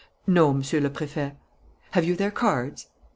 "No, Monsieur le Préfet." "Have you their cards?"